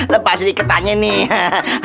lepas diketanya nih